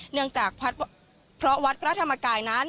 เนื่องจากเพราะวัดพระธรรมกายนั้น